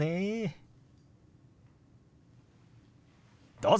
どうぞ。